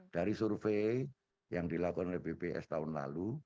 dari survei yang dilakukan oleh bps tahun lalu